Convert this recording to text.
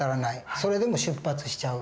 それでも出発しちゃう。